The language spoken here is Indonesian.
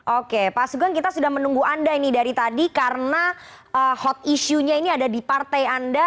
oke pak sugeng kita sudah menunggu anda ini dari tadi karena hot issue nya ini ada di partai anda